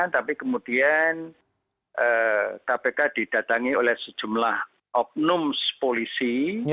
tapi kemudian kpk didatangi oleh sejumlah oknum polisi